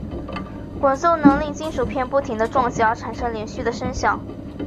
滚奏能令金属片不停地撞击而产生连续的声响。